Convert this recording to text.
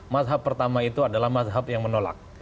mazhab pertama itu adalah mazhab yang menolak